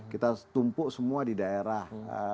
kita tumpuk semua di daerah